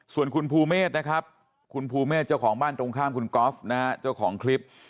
ส่วนคุณภูเมฆนะครับคุณภูเมฆเจ้าของบ้านตรงข้ามคุณก๊อฟนะฮะเจ้าของคลิป